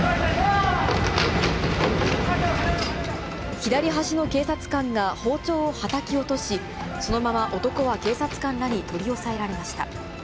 左端の警察官が包丁をはたき落とし、そのまま男は警察官らに取り押さえられました。